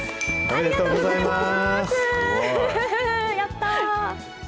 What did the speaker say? ありがとうございます。